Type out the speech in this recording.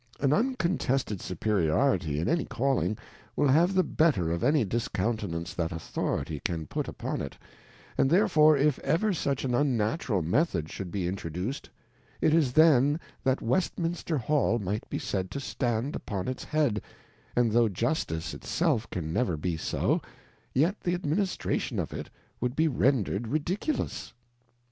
An uncontested Superiority in any Calling, will have the better of any discountenance that Authority can put upon it, and therefore if ever such an unnatural Method should be intro duc'd, it is then that Westminster Hall might be said to stand upon its Head, and though Justice it self can never be so, yet the Administration of it would be rendred Ridiculous.